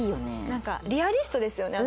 なんかリアリストですよね